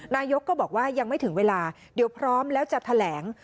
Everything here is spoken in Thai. นายกก็บอกว่ายังไม่ถึงเวลาเดี๋ยวพร้อมแล้วจะแถลง